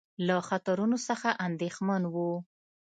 له خطرونو څخه اندېښمن وو.